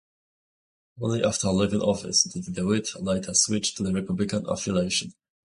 Only after leaving office did DeWitt later switch to Republican affiliation.